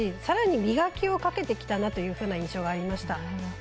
さらに磨きをかけてきたなというふうな印象がありました。